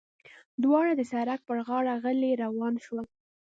دواړه د سړک پر غاړه غلي روان شول.